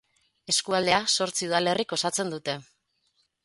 Eskualdea zortzi udalerrik osatzen dute.